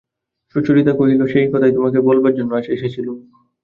সুচরিতা কহিল, সেই কথাই তোমাকে বলবার জন্যে আজ এসেছিলুম।